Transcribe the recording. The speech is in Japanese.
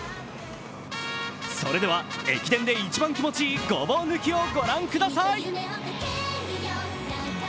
それでは、駅伝で一番気持ちいいごぼう抜きをご覧ください。